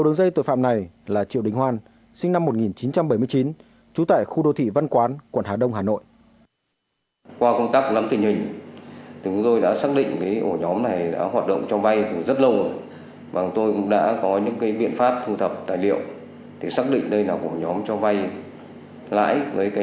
nguyễn hoan sinh năm một nghìn chín trăm bảy mươi chín trú tại khu đô thị văn quán quận hà đông hà nội